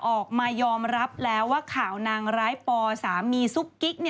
ออกมายอมรับแล้วว่าข่าวนางร้ายปอสามีซุกกิ๊ก